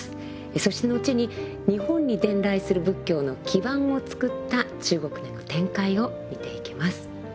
そして後に日本に伝来する仏教の基盤をつくった中国での展開を見ていきます。